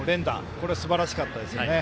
これはすばらしかったですよね。